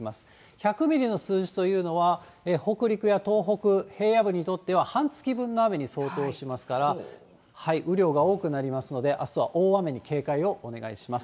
１００ミリの数字というのは、北陸や東北平野部にとっては半月分の雨に相当しますから、雨量が多くなりますので、あすは大雨に警戒をお願いします。